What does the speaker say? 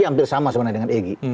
hampir sama sebenarnya dengan eg